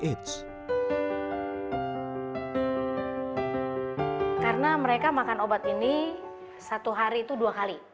karena mereka makan obat ini satu hari itu dua kali